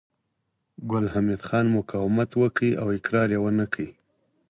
ګل حمید خان مقاومت وکړ او اقرار يې ونه کړ